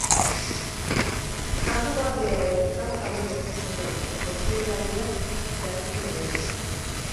Kasu bat bera ere ez da talde bortxaketa izan, kontseilariak zehaztu duenez.